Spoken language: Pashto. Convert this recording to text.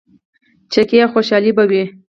چکې او خوشحالي به وه.